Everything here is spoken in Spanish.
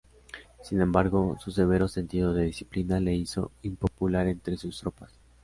Sin embargo, su severo sentido de disciplina le hizo impopular entre sus tropas.